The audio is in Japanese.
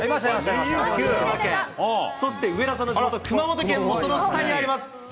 そして上田さんの地元、熊本県も、その下にあります。